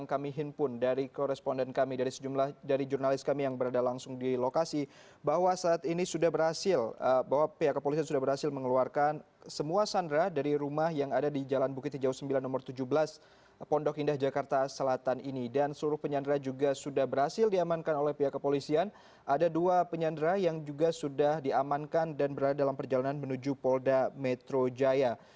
ada dua penyandera yang juga sudah diamankan dan berada dalam perjalanan menuju polda metro jaya